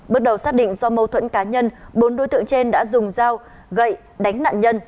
bước đầu xác định do mâu thuẫn cá nhân bốn đối tượng trên đã dùng dao gậy đánh nạn nhân